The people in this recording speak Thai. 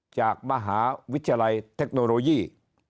จากมหาวิทยาลัยเทคโนโลยี